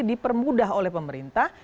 dipermudah oleh pemerintah